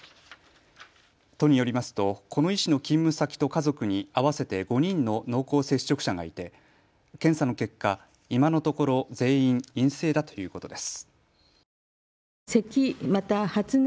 都によりますと、この医師の勤務先と家族に合わせて５人の濃厚接触者がいて検査の結果、今のところ全員陰性だということです。